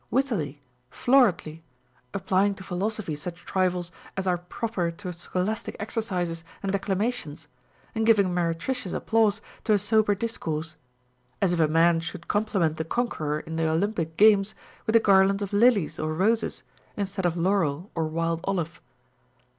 Wittily ! Floridly ! applying to philosophy such trifles as are proper to scholastic exercises and decla mations, and giving meretricious applause to a sober dis course, — as if a man should compliment the conqueror in the Olympic games with a garland of lilies or roses, in stead of laurel or wild olive.